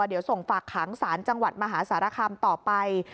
เดี๋ยวส่งฝากขังสารจังหวัดมหาสารคามต่อไป